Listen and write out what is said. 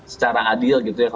secara adil gitu ya